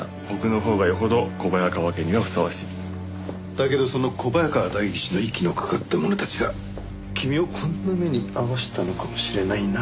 だけどその小早川代議士の息のかかった者たちが君をこんな目に遭わせたのかもしれないな。